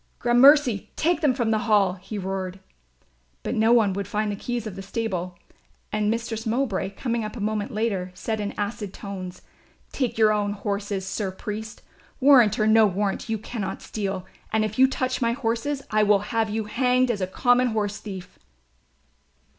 "Gramercy, take them from the Hall," he roared. But no one would find the keys of the stable and Mistress Mowbray, coming up a moment later, said in acid tones, "Take your own horses, Sir Priest, warrant or no warrant you cannot steal, and if you touch my horses I will have you hanged as a common horse thief."